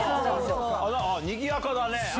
にぎやかだね。